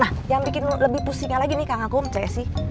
nah yang bikin lebih pusingnya lagi nih kakak gue mencaya sih